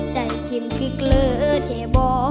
ใจเข็มคลิกเลอเทบอ